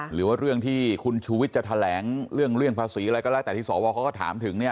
หรือว่าเรื่องที่คุณชูวิทย์จะแถลงเรื่องภาษีอะไรก็แล้วแต่ที่สวเขาก็ถามถึงเนี่ย